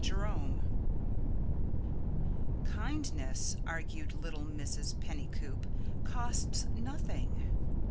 Jerome "Kindness," argued little Mrs. Pennycoop, "costs nothing."